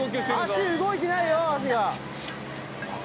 足動いてない足が。